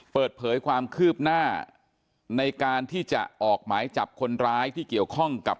เปิดเผยความคืบหน้าในการที่จะออกหมายจับคนร้ายที่เกี่ยวข้องกับ